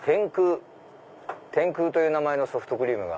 天空という名前のソフトクリームが。